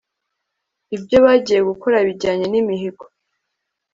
ibyo bagiye gukora bijyanye n'imihigo